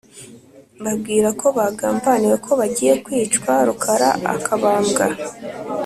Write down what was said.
mbabwira ko bagambaniwe ko bagiye kwicwa rukara akabambwa.